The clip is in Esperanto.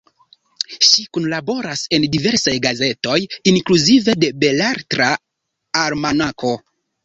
Ŝi kunlaboras en diversaj gazetoj, inkluzive de Beletra Almanako.